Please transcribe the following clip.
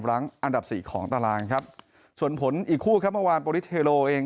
รั้งอันดับสี่ของตารางครับส่วนผลอีกคู่ครับเมื่อวานโปรดิสเทโลเอง